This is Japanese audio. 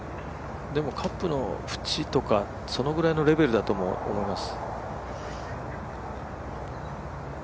でも、カップの縁とか、そのぐらいのレベルだと思います。